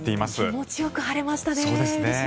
気持ちよく晴れましたね。